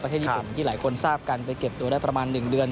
ที่ญี่ปุ่นที่หลายคนทราบกันไปเก็บตัวได้ประมาณ๑เดือน